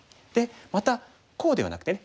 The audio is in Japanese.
またこうではなくてね